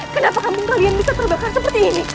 kenapa kamu kalian bisa terbakar seperti ini